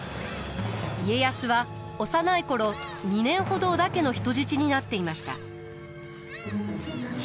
家康は幼い頃２年ほど織田家の人質になっていました。